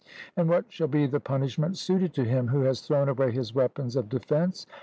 And what shall be the punishment suited to him who has thrown away his weapons of defence?